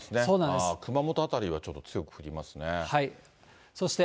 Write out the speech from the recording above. ああ、熊本辺りはちょっと強く吹きますね。